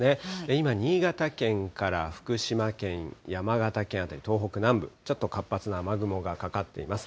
今、新潟県から福島県、山形県辺り、東北南部、ちょっと活発な雨雲がかかっています。